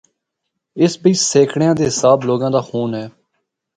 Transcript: اس بچ سینکڑیاں دے حساب لوگاں دا خون ہے۔